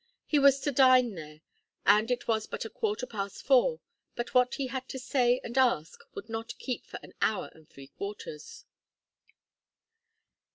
He was to dine there, and it was but a quarter past four, but what he had to say and ask would not keep for an hour and three quarters.